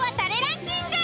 ランキング。